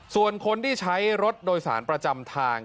ส่วนคนที่ใช้รถโดยสารประจำทาง